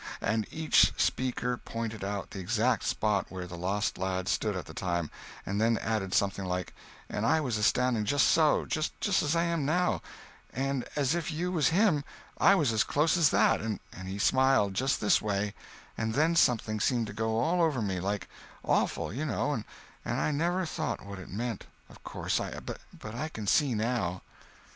—and each speaker pointed out the exact spot where the lost lads stood at the time, and then added something like "and I was a standing just so—just as I am now, and as if you was him—I was as close as that—and he smiled, just this way—and then something seemed to go all over me, like—awful, you know—and I never thought what it meant, of course, but I can see now!"